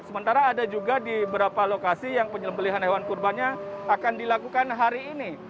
sementara ada juga di beberapa lokasi yang penyembelihan hewan kurbannya akan dilakukan hari ini